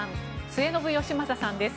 末延吉正さんです